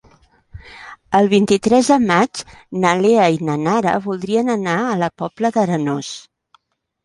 El vint-i-tres de maig na Lea i na Nara voldrien anar a la Pobla d'Arenós.